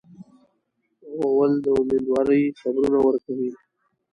غول د امیندوارۍ خبرونه ورکوي.